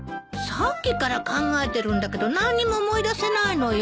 さっきから考えてるんだけど何にも思い出せないのよ。